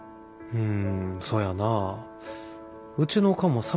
うん。